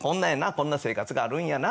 こんな生活があるんやなって。